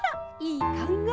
いいかんがえ。